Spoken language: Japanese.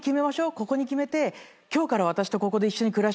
ここに決めて今日から私とここで一緒に暮らしましょう」